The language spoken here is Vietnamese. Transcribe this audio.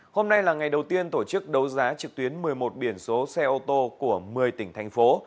hôm nay là ngày đầu tiên tổ chức đấu giá trực tuyến một mươi một biển số xe ô tô của một mươi tỉnh thành phố